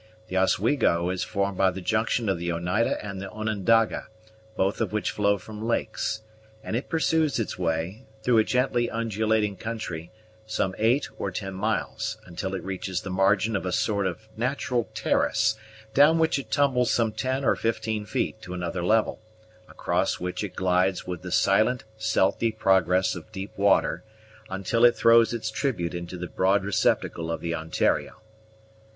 The Oswego is formed by the junction of the Oneida and the Onondaga, both of which flow from lakes; and it pursues its way, through a gently undulating country, some eight or ten miles, until it reaches the margin of a sort of natural terrace, down which it tumbles some ten or fifteen feet, to another level, across which it glides with the silent, stealthy progress of deep water, until it throws its tribute into the broad receptacle of the Ontario.